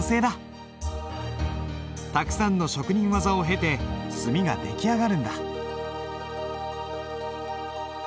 たくさんの職人技を経て墨が出来上がるんだ。